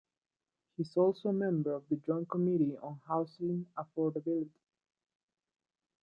He is also a member of the Joint Committee on Housing Affordability.